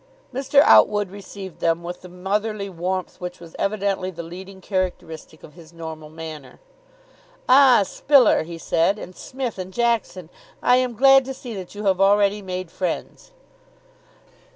Mr. Outwood received them with the motherly warmth which was evidently the leading characteristic of his normal manner. "Ah, Spiller," he said. "And Smith, and Jackson. I am glad to see that you have already made friends."